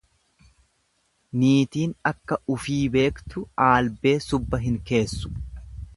Niitiin akka ufii beektu aablee subba hin keessu.